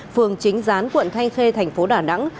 phường chính gián quận thanh khê tp đà nẵng